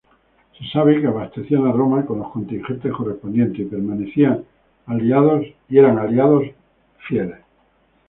Se sabe que abastecían a Roma con los contingentes correspondientes y permanecían aliados fielmente.